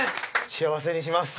幸せにします。